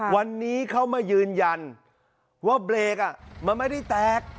วันนี้เขามายืนยันว่าเบรกมันไม่ได้แตก